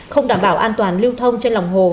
không đảm bảo an toàn lưu thông trên lòng hồ